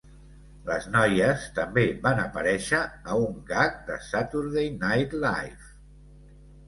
Les noies també van aparèixer a un gag de "Saturday Night Live".